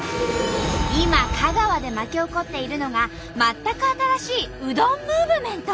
今香川で巻き起こっているのが全く新しいうどんムーブメント。